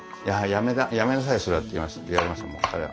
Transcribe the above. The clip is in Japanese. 「やめなさいそれ」って言われましたもん。